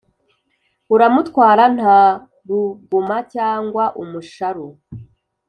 uramutwara ntaruguma cg umusharu